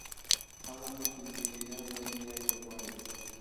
هغه څه چې لې لیان لري یا یې غواړي.